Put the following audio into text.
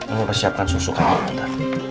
aku persiapkan susu kamu nanti